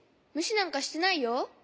むしなんかしてないよ。